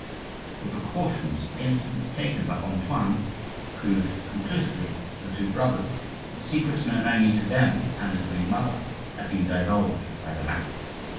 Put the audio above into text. The precautions instantly taken by Antoine proved conclusively to the two brothers that the secrets known only to them and the queen mother had been divulged by the latter.